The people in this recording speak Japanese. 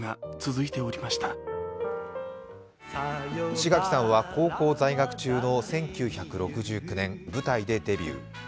志垣さんは高校在学中の１９６９年舞台でデビュー。